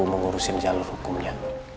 mengurusin jalur hukumnya